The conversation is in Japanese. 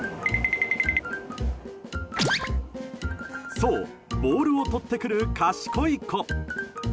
そうボールを取ってくる賢い子。